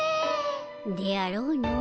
であろうの。